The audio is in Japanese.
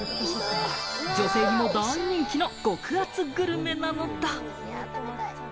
女性にも大人気の極厚グルメなのだ。